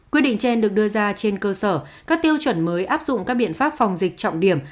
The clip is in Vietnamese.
quyết định trên được đưa ra trên cơ sở các tiêu chuẩn mới áp dụng các biện pháp phòng dịch trọng điểm